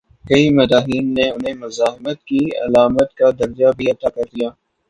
کئی مداحین نے انہیں مزاحمت کی علامت کا درجہ بھی عطا کر دیا۔